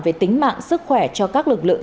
về tính mạng sức khỏe cho các lực lượng